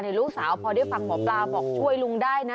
ลูกสาวพอได้ฟังหมอปลาบอกช่วยลุงได้นะ